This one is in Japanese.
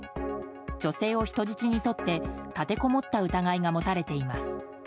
女性を人質にとって立てこもった疑いが持たれています。